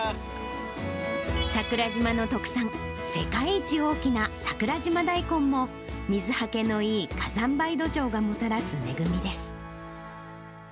桜島の特産、世界一大きな桜島大根も、水はけのいい火山灰土壌がもたらす恵みです。